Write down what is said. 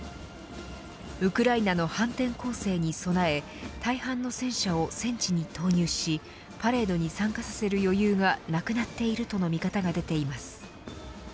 ウクライナの反転攻勢に備え大半の戦車を戦地に投入しパレードに参加させる余裕がなくなっているとの見方が出ています。